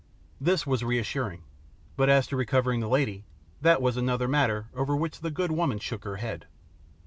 This was reassuring, but as to recovering the lady, that was another matter over which the good woman shook her head.